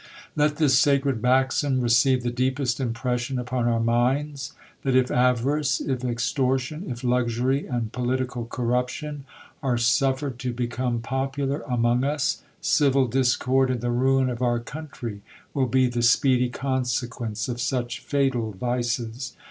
Let this sacred maxim receive the deepest impression upon our minds, that if avarice, if extortion, if luxury, and political corruption, are suffered to become popu lar among us, civil discord, and the ruin of our coun try will be the speedy consequence of such fatal vices.